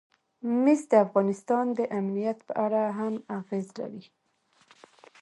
مس د افغانستان د امنیت په اړه هم اغېز لري.